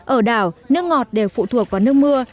ở đảo nước ngọt đều phụ thuộc vào nước mưa